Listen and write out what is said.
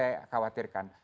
itu yang saya khawatirkan